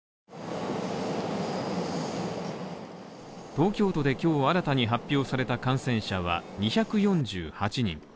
東京都で今日新たに発表された感染者は２４８人。